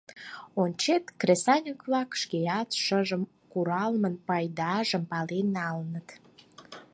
Ончет — кресаньык-влак шкеат шыжым куралмын пайдажым пален налыныт.